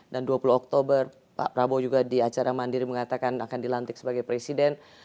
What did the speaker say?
dan dua puluh oktober pak prabowo juga di acara mandiri mengatakan akan dilantik sebagai presiden